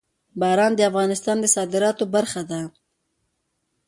باران د افغانستان د صادراتو برخه ده.